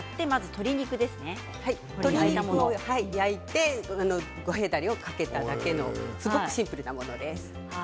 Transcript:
鶏肉を焼いて五平だれをかけただけのすごくシンプルなものです。